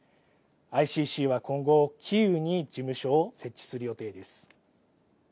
ＩＣＣは今後、キーウに事務所を設置する予定です。